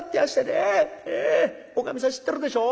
おかみさん知ってるでしょ？